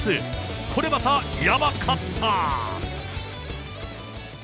これまたやばかった。